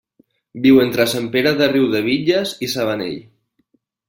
Viu entre Sant Pere de Riudebitlles i Sabanell.